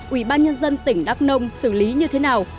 ủy ban nhân dân tỉnh đắk nông xử lý như thế nào